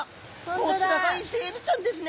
こちらがイセエビちゃんですね。